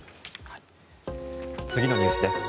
次のニュースです。